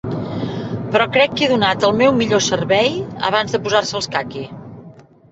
Però crec que he donat el meu millor servei abans de posar-se els caqui.